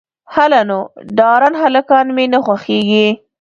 _هله نو، ډارن هلکان مې نه خوښېږي.